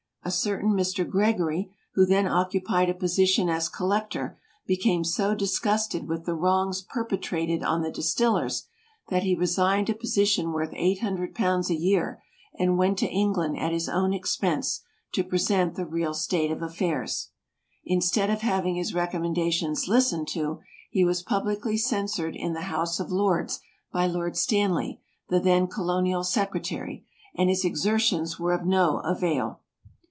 A certain Mr. Gregory, who then occupied a position as collector, be came so disgusted with the wrongs per petrated on the distillers that he resigned a position worth £800 a year and went to England at his own expense, to present the real state of affairs. Instead of having his recommendations listened to, he was publicly censured in the House of Lords by Lord Stanley, the then colonial secre tary, and his exertions w6re of no avail.